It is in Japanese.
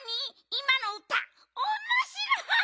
いまのうたおもしろい！